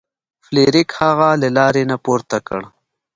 فلیریک هغه له لارې نه پورته کړ.